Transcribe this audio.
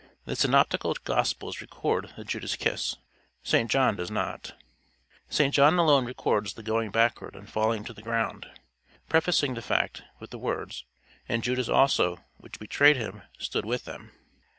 The synoptical Gospels record the Judas kiss: St John does not. St John alone records the going backward and falling to the ground prefacing the fact with the words, "And Judas also, which betrayed him, stood with them."